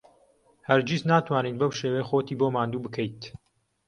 هەرگیز ناتوانیت بەو شێوەیە خۆتی بۆ ماندوو بکەیت.